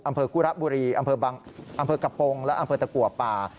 กุระบุรีอำเภอกระโปรงและอำเภอตะกัวป่า